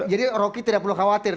jadi rocky tidak perlu khawatir